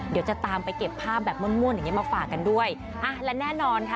เดี๋ยวจะตามไปเก็บภาพแบบม่ม่วนอย่างเงี้มาฝากกันด้วยอ่ะและแน่นอนค่ะ